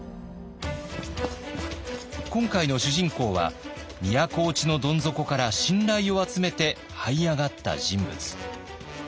今回の主人公は都落ちのどん底から信頼を集めてはい上がった人物。